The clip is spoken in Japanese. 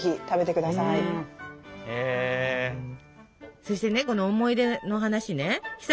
そしてねこの思い出の話ねひさ